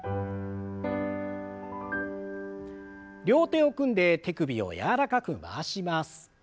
両手を組んで手首を柔らかく回します。